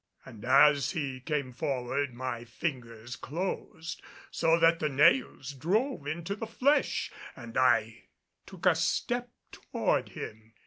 And as he came forward, my fingers closed so that the nails drove into the flesh and I took a step toward him.